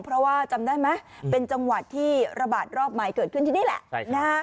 เพราะว่าจำได้ไหมเป็นจังหวัดที่ระบาดรอบใหม่เกิดขึ้นที่นี่แหละ